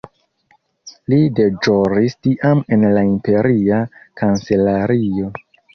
Li deĵoris tiam en la imperia kancelario.